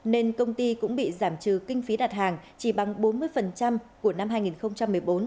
nên công ty cũng bị giảm trừ kinh phí đặt hàng chỉ bằng bốn mươi của năm hai nghìn một mươi bốn